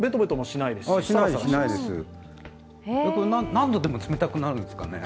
しないです、何度でも冷たくなるんですかね？